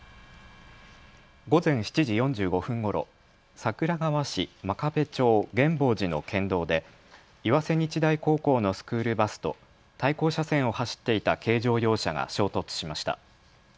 午前７時４５分ごろ、桜川市真壁町源法寺の県道で岩瀬日大高校のスクールバスと対向車線を走っていた軽乗用車が衝突しました。